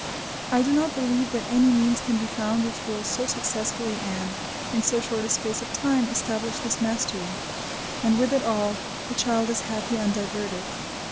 I do not believe that any means can be found which will so successfully and, in so short a space of time, establish this mastery. And with it all, the child is happy and diverted.